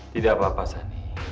tidak apa apa sani